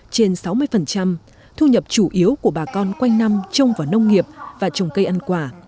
trên sáu mươi thu nhập chủ yếu của bà con quanh năm trông vào nông nghiệp và trồng cây ăn quả